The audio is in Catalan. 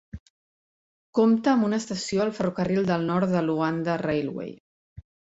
Compta amb una estació al ferrocarril del nord de Luanda Railway.